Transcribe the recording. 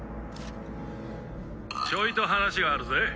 ちょいと話があるぜ。